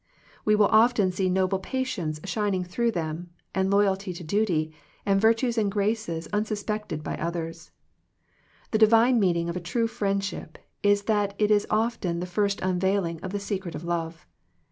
We will often see noble patience shining through them, and loyalty to duty, and virtues and graces unsuspected by others. The divine meaning of a true friendship is that it is often the first unveiling of the secret of love.